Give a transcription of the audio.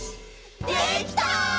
「できた！」